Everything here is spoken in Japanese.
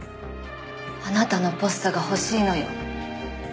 あなたのポストが欲しいのよ。